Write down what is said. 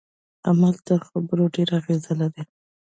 عمل تر خبرو ډیر اغیز لري.